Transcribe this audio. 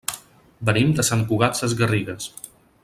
Venim de Sant Cugat Sesgarrigues.